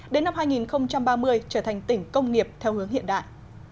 đến năm hai nghìn ba mươi trở thành tỉnh công nghiệp theo hướng hiện đại